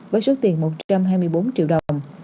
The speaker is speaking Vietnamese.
với số tiền một trăm hai mươi bốn triệu đồng